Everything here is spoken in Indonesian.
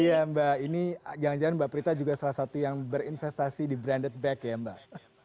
iya mbak ini jangan jangan mbak prita juga salah satu yang berinvestasi di branded back ya mbak